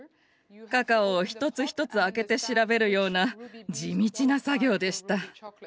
カカオを一つ一つ開けて調べるような地道な作業でした。